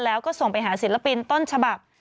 แล้วก็ส่งไปหาศิลปินต้นฉบับ